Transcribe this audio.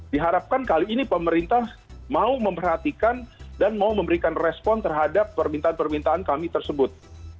diharapkan kali ini pemerintah mau memperhatikan dan mau memberikan respon terhadap permintaan permintaan kami tersebut